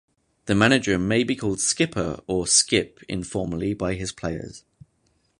The manager may be called "skipper" or "skip" informally by his players.